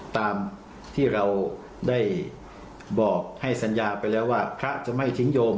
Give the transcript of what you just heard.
ตามที่เราได้บอกให้สัญญาไปแล้วว่าพระจะไม่ทิ้งโยม